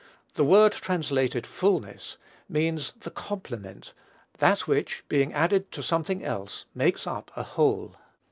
The word translated "fulness" means the complement, that which, being added to something else, makes up a whole.